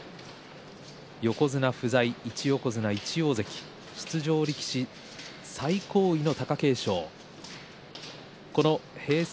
横綱不在、１横綱１大関出場力士、最高位の貴景勝です。